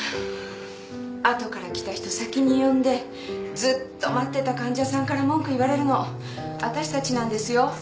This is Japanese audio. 後から来た人先に呼んでずっと待ってた患者さんから文句言われるのわたしたちなんですよ。